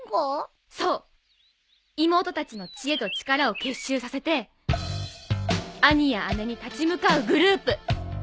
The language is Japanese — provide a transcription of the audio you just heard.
妹たちの知恵と力を結集させて兄や姉に立ち向かうグループ。